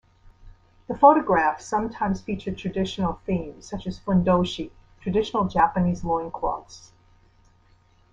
The photographs sometimes feature traditional themes, such as "fundoshi", traditional Japanese loincloths.